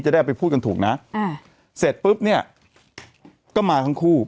ได้เอาไปพูดกันถูกนะอ่าเสร็จปุ๊บเนี่ยก็มาทั้งคู่